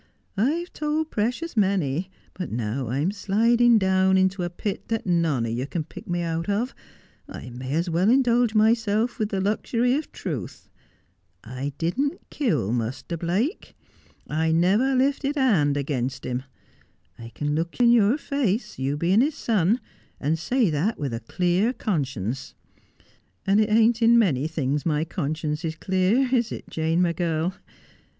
I've told precious many, but now I'm slidin' down into a pit that none o' you can pick me out of, I may as well indulge myself with the luxury of truth. I didn't kill Muster Blake. I never lifted a hand against him. I can look in your face, you being his son, and say that with a clear conscience ; and it ain't in many things my conscience is clear, is it, Jane, my girl